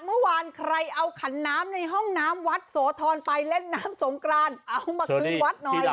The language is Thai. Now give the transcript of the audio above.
เมื่อวานใครเอาขันน้ำในห้องน้ำวัดโสธรไปเล่นน้ำสงกรานเอามาคืนวัดหน่อย